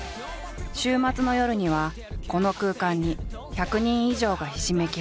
週末の夜にはこの空間に１００人以上がひしめき合う。